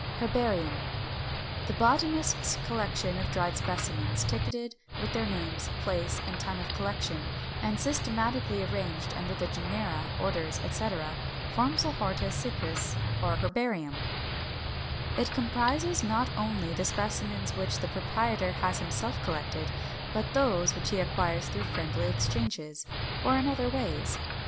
§ 2. HERBARIUM. 567. The botanist's collection of dried specimens, ticketed with their names, place, and time of collection, and systematically arranged under their genera, orders, etc., forms a Hortus Siccus or Herbarium. It comprises not only the specimens which the proprietor has himself collected, but those which he acquires through friendly exchanges, or in other ways.